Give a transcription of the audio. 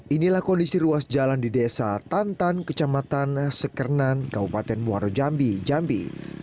inilah kondisi ruas jalan di desa tantan kecamatan sekernan kabupaten muaro jambi jambi